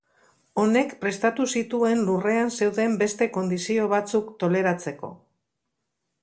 Honek prestatu zituen lurrean zeuden beste kondizio batzuk toleratzeko.